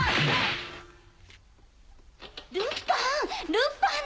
ルパン！